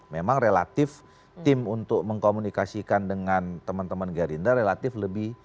memang relatif tim untuk mengkomunikasikan dengan teman teman gerindra relatif lebih